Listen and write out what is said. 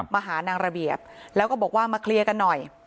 มาหานางระเบียบแล้วก็บอกว่ามาเคลียร์กันหน่อย